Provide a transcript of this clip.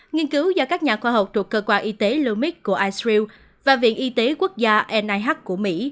nghiên cứu do các nhà khoa học thuộc cơ quan y tế lumix của israel và viện y tế quốc gia nih của mỹ